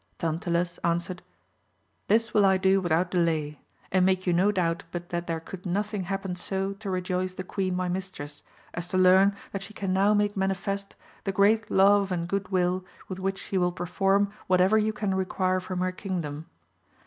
Tantiles answered. This will I do without delay, and make you no doubt but that there could nothing happen so to rejoice the queen my mistress, as to learn that she can now make manifest the great love and goodwiU with which she wiU per form whatever you can require from her kingdom.'